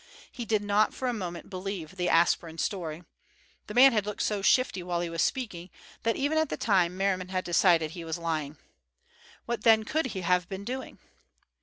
He did not for a moment believe the aspirin story. The man had looked so shifty while he was speaking, that even at the time Merriman had decided he was lying. What then could he have been doing?